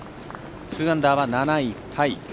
２アンダーは７位タイ。